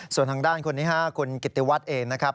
ส่วนทางด้านคนนี้คุณกิติวัฒน์เองนะครับ